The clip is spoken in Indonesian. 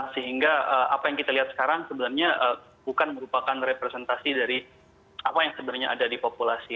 sehingga apa yang kita lihat sekarang sebenarnya bukan merupakan representasi dari apa yang sebenarnya ada di populasi